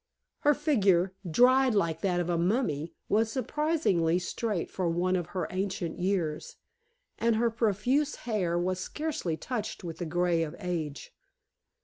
Her figure, dried like that of a mummy, was surprisingly straight for one of her ancient years, and her profuse hair was scarcely touched with the gray of age.